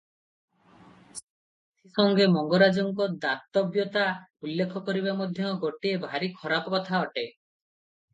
ସେଥି ସଙ୍ଗେ ମଙ୍ଗରାଜଙ୍କ ଦାତବ୍ୟତା ଉଲ୍ଲେଖ କରିବା ମଧ୍ୟ ଗୋଟିଏ ଭାରି ଖରାପ କଥା ଅଟେ ।